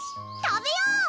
食べよう！